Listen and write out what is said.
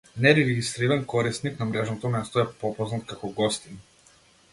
Нерегистриран корисник на мрежното место е попознат како гостин.